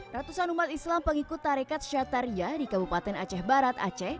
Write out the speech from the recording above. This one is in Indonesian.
ratusan umat islam pengikut tarekat syatariah di kabupaten aceh barat aceh